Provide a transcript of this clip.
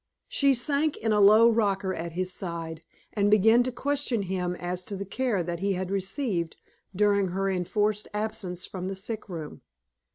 She sank in a low rocker at his side, and began to question him as to the care that he had received during her enforced absence from the sick room.